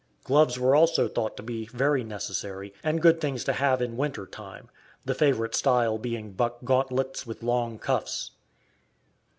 Gloves were also thought to be very necessary and good things to have in winter time, the favorite style being buck gauntlets with long cuffs.